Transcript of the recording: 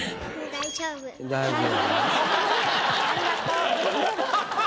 ありがとう。